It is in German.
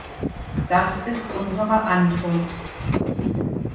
Das ist unsere Antwort.